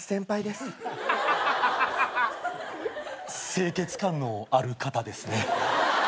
清潔感のある方ですね。